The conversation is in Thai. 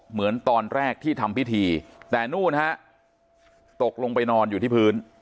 เหมือนตอนแรกที่ทำพิธีแต่นู่นฮะตกลงไปนอนอยู่ที่พื้น